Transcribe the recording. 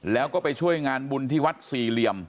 แล้วก็ไปช่วยงานบุญที่วัดสี่เหลี่ยม